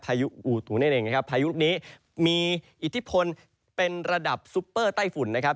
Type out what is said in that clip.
อูตุนั่นเองนะครับพายุลูกนี้มีอิทธิพลเป็นระดับซุปเปอร์ไต้ฝุ่นนะครับ